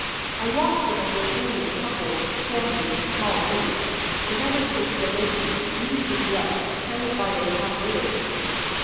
I watched them as they came in couples, families and small groups, in every case the ladies, beautifully dressed, attended by their cavaliers.